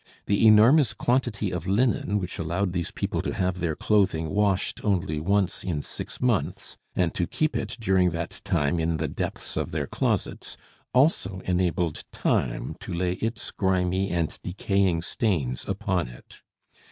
The enormous quantity of linen which allowed these people to have their clothing washed only once in six months, and to keep it during that time in the depths of their closets, also enabled time to lay its grimy and decaying stains upon it.